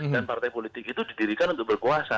dan partai politik itu didirikan untuk berkuasa